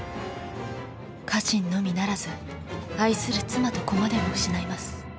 家臣のみならず愛する妻と子までも失います。